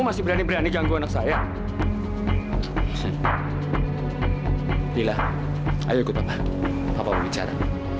masih berani berani janggung anak saya lila ayo ikut papa papa bicara